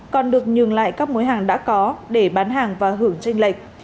còn được nhường lại các mối hàng đã có để bán hàng và hưởng tranh lệch